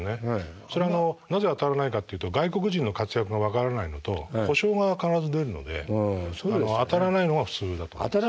それのなぜ当たらないかというと外国人の活躍が分からないのと故障が必ず出るので当たらないのが普通だと思います。